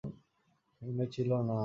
মনে ছিল না।